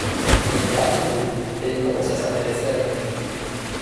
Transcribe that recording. Son art évolue, et il commence à s’intéresser à la sculpture.